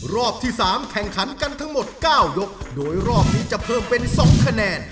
รอบที่๓แข่งขันกันทั้งหมด๙ยกโดยรอบนี้จะเพิ่มเป็น๒คะแนน